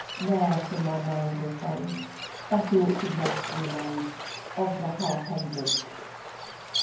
Ne'er from my mind will fade That awkward mess we made, Of the "Half hundred!